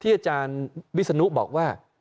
ที่อาจารย์บิร์ษนุปบอกว่า